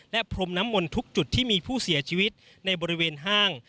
และพรมน้ำมนต์ทุกจุดที่มีผู้เสียชีวิตในบริเวณห้าง